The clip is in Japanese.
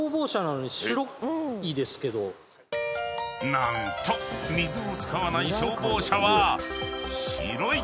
［何と水を使わない消防車は］